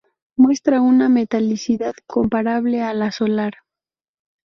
Muestra una metalicidad comparable a la solar.